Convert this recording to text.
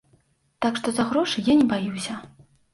Так што, за грошы я не баюся.